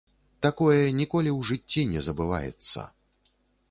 Такое ніколі ў жыцці не забываецца!